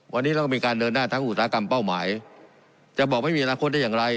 วันนี้เราก็มีการเดินหน้าทั้งอุตสาหกรรมเป้าหมายจะบอกไม่มีอนาคตได้อย่างไร